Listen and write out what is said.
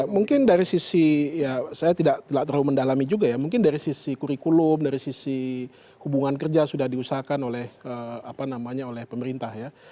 mungkin dari sisi ya saya tidak terlalu mendalami juga ya mungkin dari sisi kurikulum dari sisi hubungan kerja sudah diusahakan oleh pemerintah ya